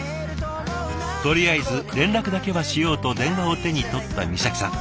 とりあえず連絡だけはしようと電話を手に取った美咲さん。